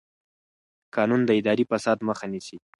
قانون د اداري فساد مخه نیسي.